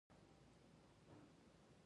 ډيپلوماسي د هيوادونو ترمنځ د ستونزو حل دی.